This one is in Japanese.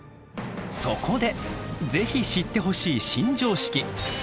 そこでぜひ知ってほしい新常識。